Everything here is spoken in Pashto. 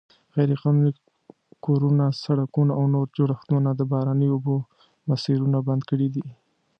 غیرقانوني کورونه، سړکونه او نور جوړښتونه د باراني اوبو مسیرونه بند کړي دي.